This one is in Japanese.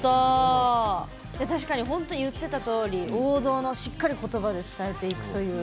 確かに本当に言ってたとおり王道のしっかり言葉で伝えていくという。